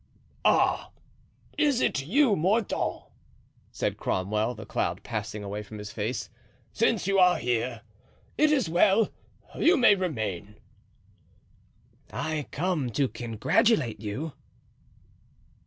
"Ah! is it you, Mordaunt?" said Cromwell, the cloud passing away from his face; "since you are here, it is well; you may remain." "I come to congratulate you."